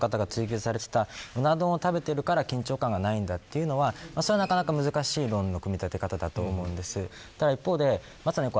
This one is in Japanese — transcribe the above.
野党の方が追及されていたうな丼を食べているからというのはなかなか難しい論の組み立て方だと思うんです。